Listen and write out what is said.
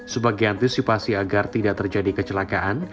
sebagai antisipasi agar tidak terjadi kecelakaan